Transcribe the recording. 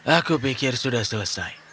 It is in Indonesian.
aku pikir sudah selesai